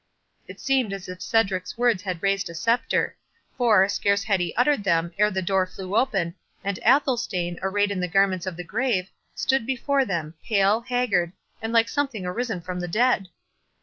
It seemed as if Cedric's words had raised a spectre; for, scarce had he uttered them ere the door flew open, and Athelstane, arrayed in the garments of the grave, stood before them, pale, haggard, and like something arisen from the dead!